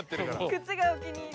靴がお気に入り。